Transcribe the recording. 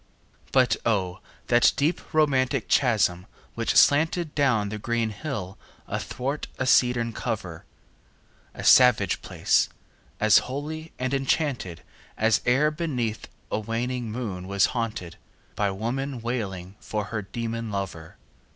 But O, that deep romantic chasm which slanted Down the green hill athwart a cedarn cover! A savage place! as holy and enchanted As e'er beneath a waning moon was haunted 15 By woman wailing for her demon lover!